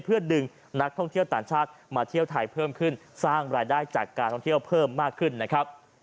เพื่อดึงนักท่องเที่ยวต่างชาติมาเที่ยวไทยเพิ่มขึ้นสร้างรายได้จากการท่องเที่ยวเพิ่มมากขึ้นนะครับ